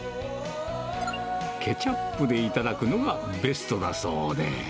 ケチャップで頂くのがベストだそうで。